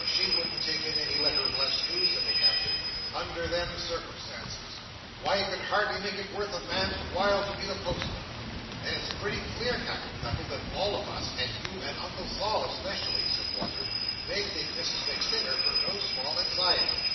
She wouldn't take in any letter, bless you," said the Captain, "under them circumstances! Why, you could hardly make it worth a man's while to be the postman!" "Then it's pretty clear, Captain Cuttle, that all of us, and you and Uncle Sol especially," said Walter, "may thank Mrs MacStinger for no small anxiety."